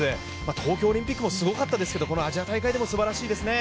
東京オリンピックもすごかったですけど、このアジア大会でもすばらしいですね。